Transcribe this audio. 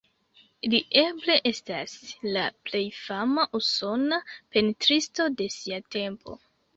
Li eble estas la plej fama usona pentristo de sia tempo.